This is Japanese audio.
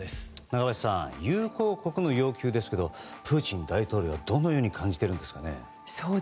中林さん友好国の要求ですけどプーチン大統領は、どのように感じているんですかね。